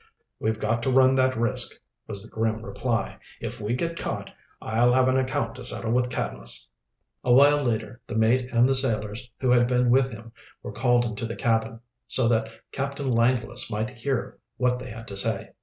"We've got to run that risk," was the grim reply. "If we get caught, I'll have an account to settle with Cadmus." A while later the mate and the sailors who had been with him were called into the cabin, so that Captain Langless might hear what they had to say.